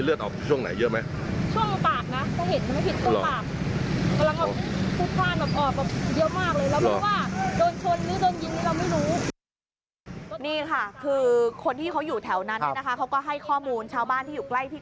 เขาก็ให้ข้อมูลชาวบ้านที่อยู่ใกล้ที่